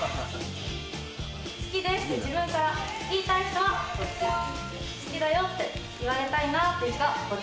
好きですって自分から言いたい人、好きだよって言われたいなという人！